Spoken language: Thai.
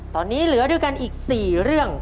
ตอนนี้เหลือด้วยกันอีก๔เรื่อง